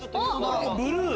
ブルー！